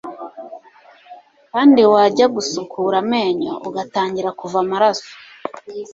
kandi wajya gusukura amenyo ugatangira kuva amaraso,